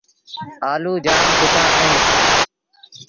آلو جآم سُآ اهيݩ۔